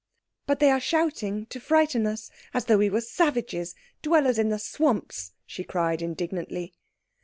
But they are shouting to frighten us. As though we were savages! Dwellers in the swamps!" she cried indignantly.